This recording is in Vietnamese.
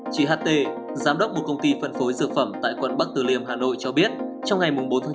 chị ht giám đốc một công ty phân phối dược phẩm tại quận bắc từ liềm hà nội cho biết trong ngày mùng bốn tháng chín